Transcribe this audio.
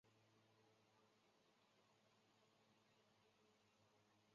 大门外及两旁挖有水池。